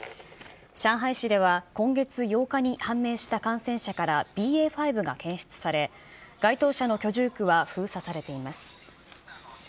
上海市では、今月８日に判明した感染者からＢＡ．５が検出され、該当者の居住区は封鎖されています。